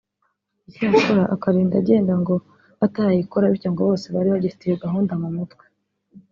icyakora akarinda agenda ngo batarayikora bityo ngo bose bari bagifite iyo gahunda mu mutwe